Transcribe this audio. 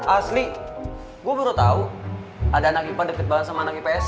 asli gue baru tau ada anak ipa deket banget sama anak ipa s